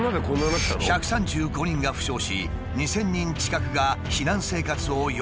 １３５人が負傷し２，０００人近くが避難生活を余儀なくされた。